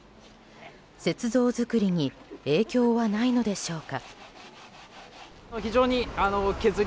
雪像作りに影響はないのでしょうか。